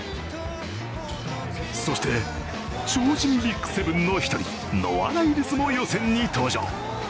そして、超人ＢＩＧ７の一人、ノア・ライルズも予選に登場。